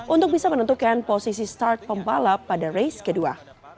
untuk bisa menentukan posisi start pembalap pada race kedua